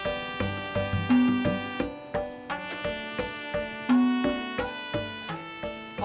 diri sendiri lah